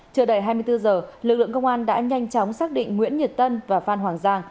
trưa đầy hai mươi bốn giờ lực lượng công an đã nhanh chóng xác định nguyễn nhật tân và phan hoàng giang